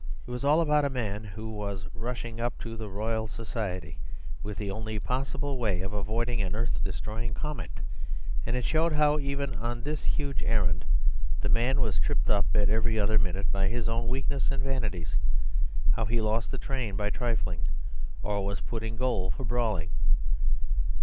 It was all about a man who was rushing up to the Royal Society with the only possible way of avoiding an earth destroying comet; and it showed how, even on this huge errand, the man was tripped up at every other minute by his own weakness and vanities; how he lost a train by trifling or was put in gaol for brawling.